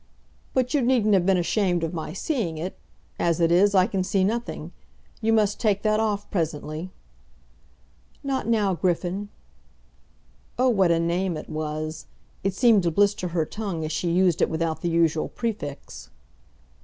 "But you needn't have been ashamed of my seeing it. As it is, I can see nothing. You must take that off presently." "Not now, Griffin." Oh, what a name it was! It seemed to blister her tongue as she used it without the usual prefix.